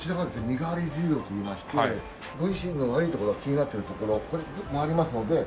身代わり地蔵といいましてご自身の悪いところ気になってるところ治りますので。